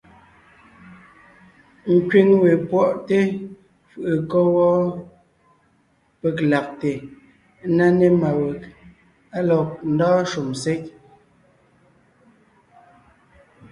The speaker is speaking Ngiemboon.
Nkẅíŋ wé pwɔ́ʼte fʉʼʉ kɔ́ wɔ́ peg lagte ńná ne má weg á lɔg ndɔ́ɔn shúm sé.